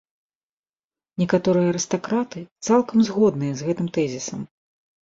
Некаторыя арыстакраты цалкам згодныя з гэтым тэзісам.